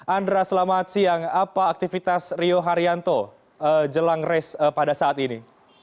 andra selamat siang apa aktivitas rio haryanto jelang race pada saat ini